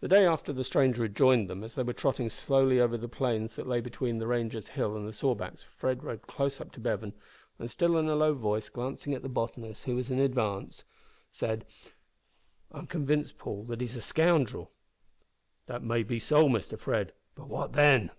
The day after the stranger had joined them, as they were trotting slowly over the plains that lay between the Rangers Hill and the Sawbacks, Fred rode close up to Bevan, and said in a low voice, glancing at the botanist, who was in advance "I am convinced, Paul, that he is a scoundrel." "That may be so, Mr Fred, but what then?"